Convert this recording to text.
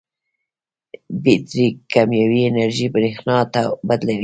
بیټرۍ کیمیاوي انرژي برېښنا ته بدلوي.